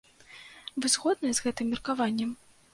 Вы згодныя з гэтым меркаваннем?